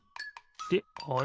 であれ？